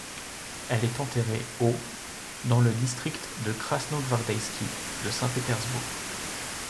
Elle est enterrée au dans le district de Krasnogvardeïski de Saint-Pétersbourg.